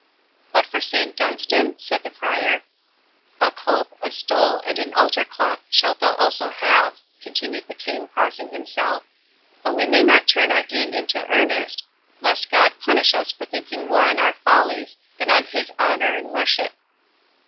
"But for Saint Dunstan?" said the Friar— "A cope, a stole, and an altar cloth shalt thou also have," continued the King, crossing himself—"But we may not turn our game into earnest, lest God punish us for thinking more on our follies than on his honour and worship."